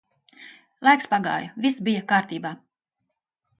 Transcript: Laiks pagāja, viss bija kārtībā.